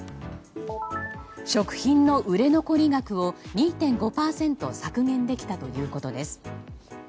食品の売れ残り額を２．５％削減できたということです。